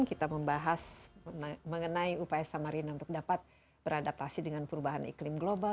kita membahas mengenai upaya samarina untuk dapat beradaptasi dengan perubahan iklim global